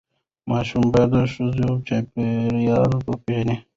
ماشوم باید د ښوونځي چاپېریال وپیژني.